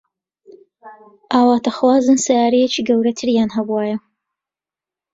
ئاواتەخوازن سەیارەیەکی گەورەتریان هەبوایە.